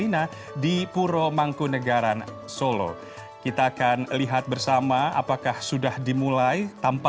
anda sedang menyaksikan program spesial hadirkan presiden joko widodo